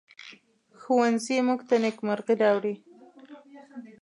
ښوونځی موږ ته نیکمرغي راوړي